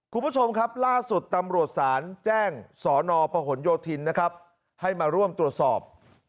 คุณผู้ชมครับล่าสุดตำรวจศาลแจ้งสนประหลโยธินนะครับให้มาร่วมตรวจสอบ